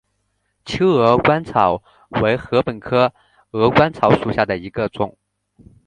秋鹅观草为禾本科鹅观草属下的一个种。